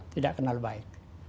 tidak kenal baik